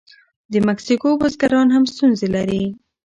د مکسیکو بزګران هم ستونزې لري.